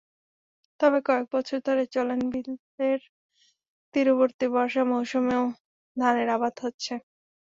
তবে কয়েক বছর ধরে চলনবিলের তীরবর্তী জমিতে বর্ষা মৌসুমেও ধানের আবাদ হচ্ছে।